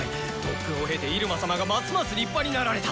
特訓を経て入間様がますます立派になられた。